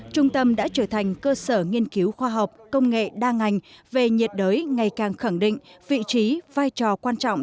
trung tâm đã trở thành cơ sở nghiên cứu khoa học công nghệ đa ngành về nhiệt đới ngày càng khẳng định vị trí vai trò quan trọng